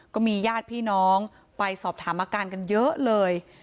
ก็มีญาติพี่น้องไปสอบถามอาการกันเยอะเลย